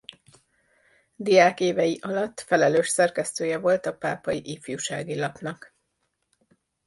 Diákévei alatt felelős szerkesztője volt a Pápai Ifjúsági Lapnak.